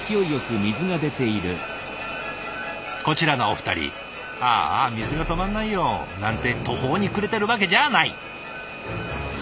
こちらのお二人「ああ水が止まんないよ」なんて途方に暮れてるわけじゃない。